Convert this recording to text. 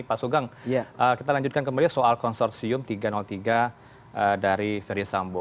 pak sugeng kita lanjutkan kembali soal konsorsium tiga ratus tiga dari ferdisambo